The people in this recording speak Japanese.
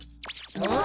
あっ。